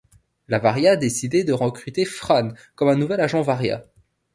La Varia décider de recruter Fran comme un nouvel agent Varia.